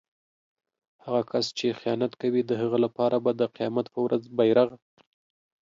هغه کس چې خیانت کوي د هغه لپاره به د قيامت په ورځ بیرغ